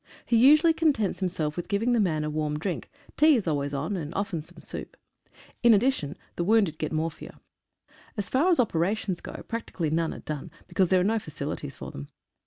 He usually contents himself with giving the man a warm drink — tea is always on, and often some soup. In addition, the wounded get morphia. As far as operations go, practically none are done, be cause there are no facilities for them.